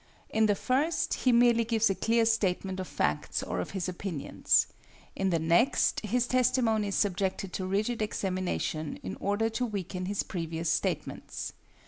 In the first he merely gives a clear statement of facts or of his opinions. In the next his testimony is subjected to rigid examination in order to weaken his previous statements.